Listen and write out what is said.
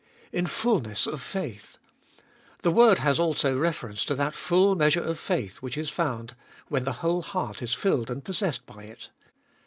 In fulness of faith. The word has also reference to that full measure of faith which is found when the whole heart is filled and possessed by it.